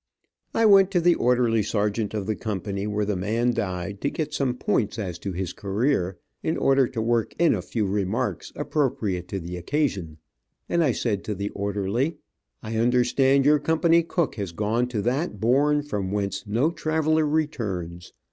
I went to the orderly sergeant of the company where the man died, to get some points as to his career, in order to work in a few remarks appropriate to the occasion, and I said to the orderly: "I understand your company cook has gone to that bourne from whence no traveler returns.